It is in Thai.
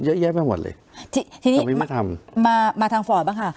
เยอะแยะไปหมดเลยทีนี้มาทางฝอบ้างค่ะ